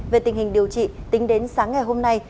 về tình hình điều trị tính đến sáng ngày hôm nay